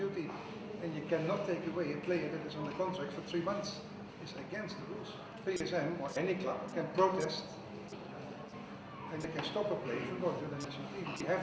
pemain pemain masih berusaha